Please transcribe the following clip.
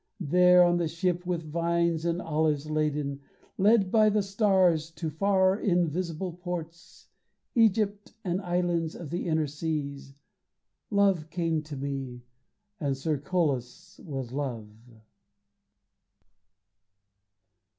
There on the ship with wines and olives laden, Led by the stars to far invisible ports, Egypt and islands of the inner seas, Love came to me, and Cercolas was love.